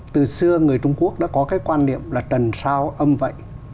từ xưa người trung quốc đã có quan điểm là trần sao âm vậy